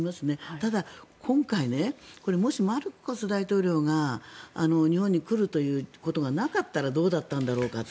ただ、今回もしマルコス大統領が日本に来るということがなかったらどうだったんだろうかと。